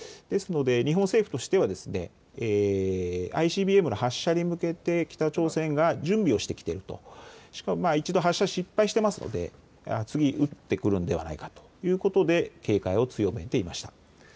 ですので日本政府としてはＩＣＢＭの発射に向けて北朝鮮が準備をしてきている、しかも一度、発射を失敗しているので次、撃ってくるのではないかと警戒を強めていました。